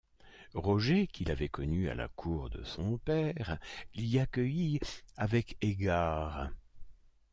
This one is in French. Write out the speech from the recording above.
Roger, qu’il avait connu à la cour de son père, l’y accueillit avec égard.